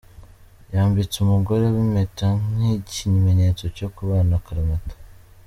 Yambitse umugore we impeta nk'ikimenyetso cyo kubana akaramata.